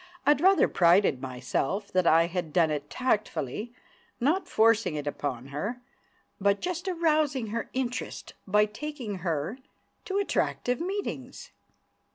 I rather prided myself that I had done it tactfully, not forcing it upon her, but just arousing her interest by taking her to attractive meetings.